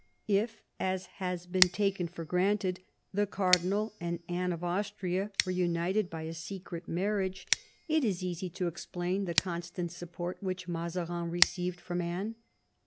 If, as has been taken for granted, the cardinal and Anne of Austria were united by a secret marriage, it is easy I THE EARLY YEARS OF MAZARIN'S MINISTRY 17 to explain the constant support which Mazarin received from Anne.